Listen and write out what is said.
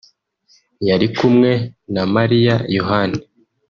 yari kumwe na Mariya Yohani